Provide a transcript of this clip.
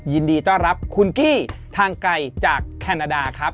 ยินดีต้อนรับคุณกี้ทางไกลจากแคนาดาครับ